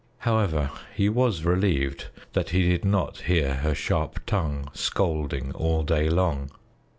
However, he was relieved that he did not hear her sharp tongue scolding all day long.